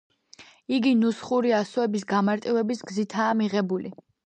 იგი ნუსხური ასოების გამარტივების გზითაა მიღებული.